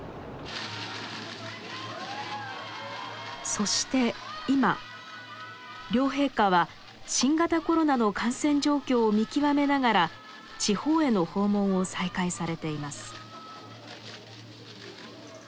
そして今両陛下は新型コロナの感染状況を見極めながら地方への訪問を再開されています。